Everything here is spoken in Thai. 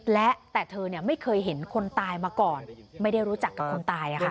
และแต่เธอไม่เคยเห็นคนตายมาก่อนไม่ได้รู้จักกับคนตาย